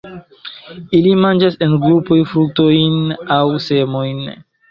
Ili manĝas en grupoj fruktojn aŭ semojn.